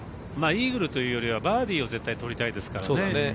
イーグルというよりはバーディーを絶対取りたいですからね。